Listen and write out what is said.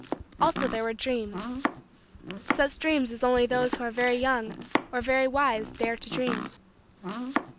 Also there were dreams such dreams as only those who are very young or very wise dare to dream.